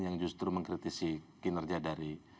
yang justru mengkritisi kinerja dari